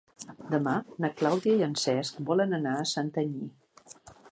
Demà na Clàudia i en Cesc volen anar a Santanyí.